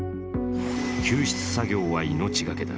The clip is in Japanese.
救出作業は命がけだ。